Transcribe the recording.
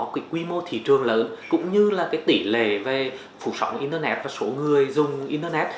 quy mô thị trường lớn cũng như tỉ lệ phụ sóng internet và số người dùng internet